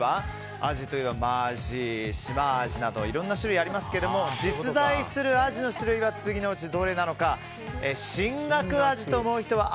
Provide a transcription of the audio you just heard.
アジといえばマアジ、シマアジなどいろんな種類がありますが実在するアジの種類は次のうちどれなのかシンガクアジだと思う方は青